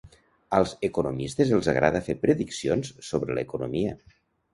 Als economistes els agrada fer prediccions sobre l'economia.